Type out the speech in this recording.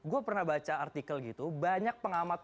gue pernah baca artikel gitu banyak pengamat